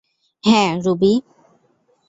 হ্যাঁ, রুবি।